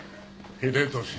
秀俊。